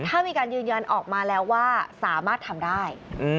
ถ้ามีการยืนยันออกมาแล้วว่าสามารถทำได้